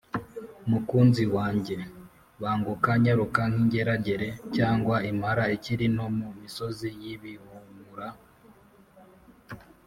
Mukunzi wanjye banguka nyaruka nk ingeragere cyangwa impala ikiri nto mu misozi y ibihumura f